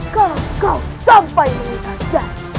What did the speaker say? kalau kau sampai ini aja